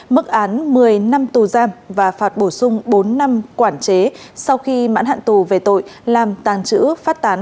mức án một mươi năm tù giam và phạt bổ sung bốn năm quản chế sau khi mãn hạn tù về tội làm tàn trữ phát tán